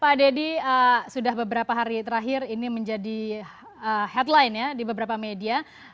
pak deddy sudah beberapa hari terakhir ini menjadi headline ya di beberapa media